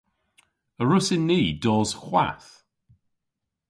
A wrussyn ni dos hwath?